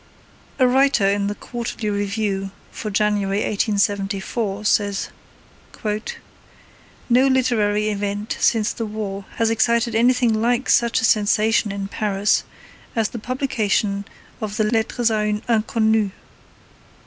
A writer in the Quarterly Review for January 1874 says: No literary event since the war has excited anything like such a sensation in Paris as the publication of the Lettres a une Inconnue.